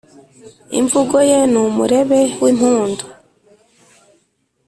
imvugo ye ni umurebe w’impundu,